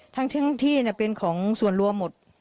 ทั้งทั้งที่เนี่ยเป็นของส่วนรวมหมด